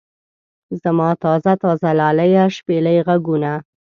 زما تازه تازه لاليه شپېلۍ غږونه.